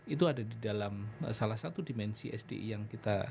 itu ada di dalam salah satu dimensi sdi yang kita